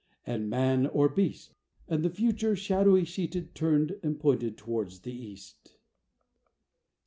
and "Man or beast?" And the Future, shadowy sheeted, Turned and pointed towards the East.